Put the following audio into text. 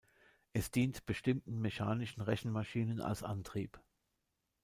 Es dient bestimmten mechanischen Rechenmaschinen als Antrieb.